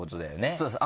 そうです